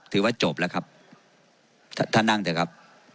ถือว่าจบแล้วครับท่านนั่งเถอะครับ